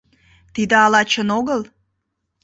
Тиде ала чын огыл?